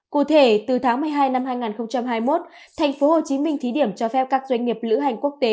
cụ thể từ tháng một mươi hai năm hai nghìn hai mươi một thành phố hồ chí minh thí điểm cho phép các doanh nghiệp lữ hành quốc tế